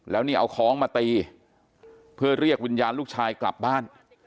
แล้วนี่เอาค้องมาตีเพื่อเรียกวิญญาณลูกชายกลับบ้าน